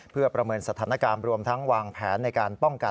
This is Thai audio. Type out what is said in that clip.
เพื่อประเมินสถานการณ์รวมทั้งวางแผนในการป้องกัน